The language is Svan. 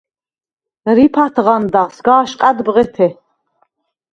რიფ ათღანდა, სგა̄შყა̈დ ბღეთე.